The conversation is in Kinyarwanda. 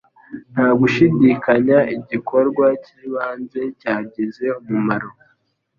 Nta gushidikanya, igikorwa cy'ibanze cyagize umumaro